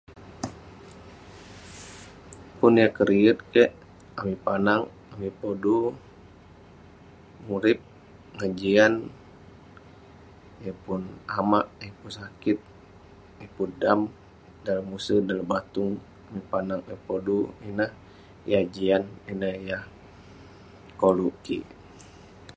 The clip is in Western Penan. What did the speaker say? Pun yah keriek kek anag rodu murip ngan jian yeng pun amak yeng pun sakit yeng pun dam dalem use dalem batung ireh panak kek ireh poduk ineh, yah ineh yah jian yah ineh yah koluk kik